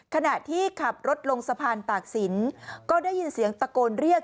ขณะที่ขับรถลงสะพานตากศิลป์ก็ได้ยินเสียงตะโกนเรียก